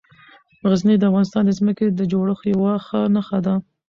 غزني د افغانستان د ځمکې د جوړښت یوه ښه نښه ده.